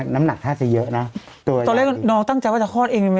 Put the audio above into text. น้ำหนักถ้าจะเยอะนะตอนแรกน้องตั้งใจว่าจะคลอดเองได้ไหม